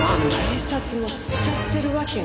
警察も知っちゃってるわけね。